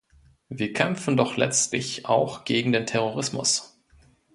Wir kämpfen doch letztlich auch gegen den Terrorismus!